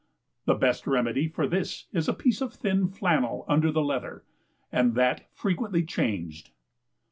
The best remedy for this is a piece of thin flannel under the leather, and that frequently changed.